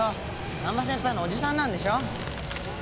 難波先輩の叔父さんなんでしょ？